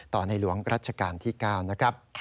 ในหลวงรัชกาลที่๙นะครับ